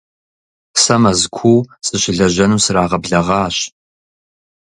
Сэ Мэзкуу сыщылэжьэну срагъэблэгъащ.